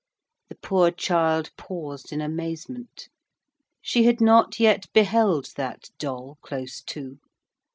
The poor child paused in amazement. She had not yet beheld that doll close to.